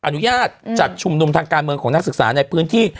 อนุญาตจัดชุมนุมทางการเมืองของนักศึกษาในพื้นที่